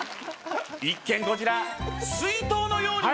一見こちら水筒のようにも。